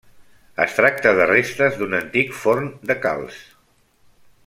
Es tracta de restes d'un antic forn de calç.